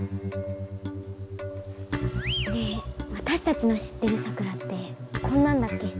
ねえわたしたちの知ってるサクラってこんなんだっけ？